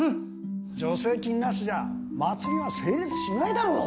助成金なしじゃ祭りは成立しないだろう！